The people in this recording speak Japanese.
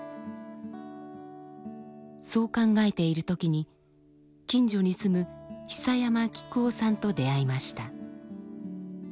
そう考えている時に近所に住む久山喜久雄さんと出会いました。